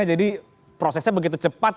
jadi prosesnya begitu cepat